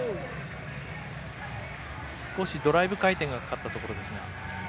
少しドライブ回転がかかったところですが。